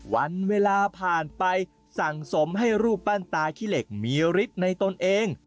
วันเวลาผ่านไปสั่งสมให้รูปปั้นตาขี้เหล็กมีฤทธิ์ในตนเอง